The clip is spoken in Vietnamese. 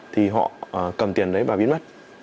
thì họ cầm tiền đấy và biến mất